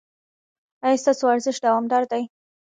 ایا ستاسو ورزش دوامدار دی؟